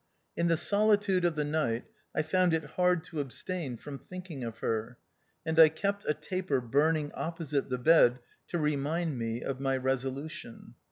In the solitude of the night, I found it hard to abstain from thinking of her, and I kept a taper burning opposite the bed to remind me of my resolution.